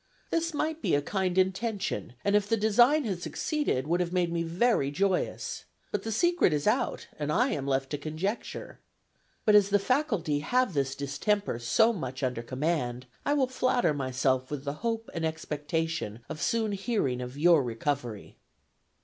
This might be a kind intention, and if the design had succeeded, would have made me very joyous. But the secret is out, and I am left to conjecture. But as the faculty have this distemper so much under command, I will flatter myself with the hope and expectation of soon hearing of your recovery."